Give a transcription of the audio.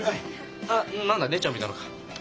あっ何だ姉ちゃんもいたのか。